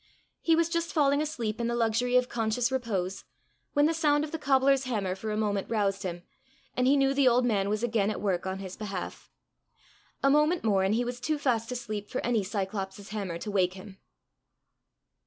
He was just falling asleep in the luxury of conscious repose, when the sound of the cobbler's hammer for a moment roused him, and he knew the old man was again at work on his behalf. A moment more and he was too fast asleep for any Cyclops' hammer to wake him.